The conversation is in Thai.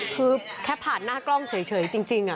คือแค่ผ่านหน้ากล้องเฉยจริง